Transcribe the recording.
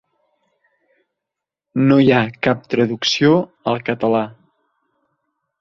No hi ha cap traducció al català.